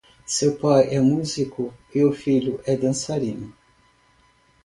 Se o pai é músico, o filho é dançarino.